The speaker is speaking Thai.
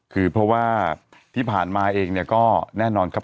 คือเพราะว่าที่ผ่านมาเองเนี่ยก็แน่นอนครับ